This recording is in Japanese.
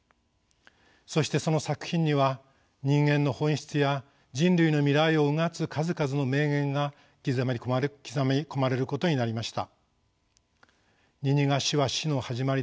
そしてその作品には人間の本質や人類の未来をうがつ数々の名言が刻み込まれることになりました。